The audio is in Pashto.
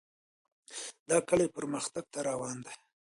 دا کلی پرمختګ ته روان دی.